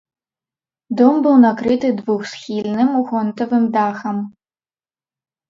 Дом быў накрыты двухсхільным гонтавым дахам.